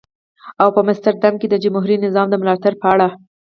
او په مستر دام کې د جمهوري نظام د ملاتړ په اړه.